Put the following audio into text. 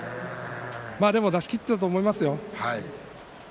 でも力を出し切ったと思いますよ。